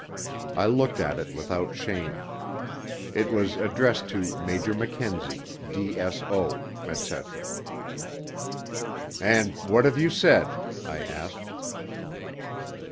I looked at it without shame; it was addressed to Major Mackenzie, D.S.O., etc. 'And what have you said?' I asked.